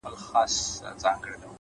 علم د انسان لارښود دی؛